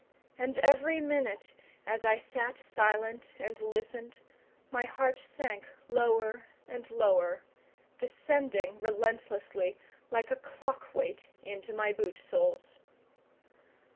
And every minute, as I sat silent and listened, my heart sank lower and lower, descending relentlessly like a clock weight into my boot soles.